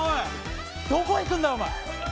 どこ行くんだよ、おまえ。